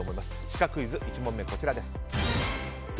シカクイズ１問目、こちらです。